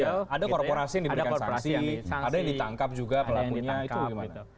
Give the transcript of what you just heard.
ada korporasi yang diberikan saksi ada yang ditangkap juga pelakunya